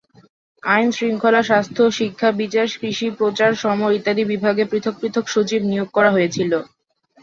আইন-শৃঙ্খলা, স্বাস্থ্য, শিক্ষা, বিচার, কৃষি, প্রচার, সমর ইত্যাদি বিভাগে পৃথক পৃথক সচিব নিয়োগ করা হয়েছিল।